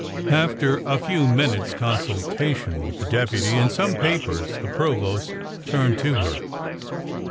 After a few minutes' consultation with the deputy and some papers, the provost turned to her.